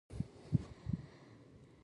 دا عمل د جزا قانون له مخې منع دی.